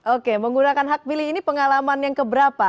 oke menggunakan hak pilih ini pengalaman yang keberapa